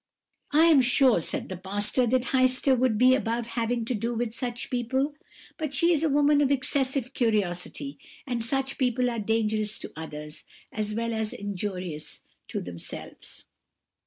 "'I am sure,' said the pastor, 'that Heister would be above having to do with such people; but she is a woman of excessive curiosity, and such people are dangerous to others, as well as injurious to themselves.'